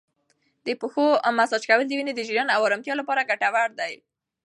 د پښو مساج کول د وینې د جریان او ارامتیا لپاره ګټور دی.